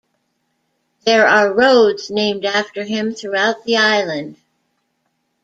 There are roads named after him throughout the island.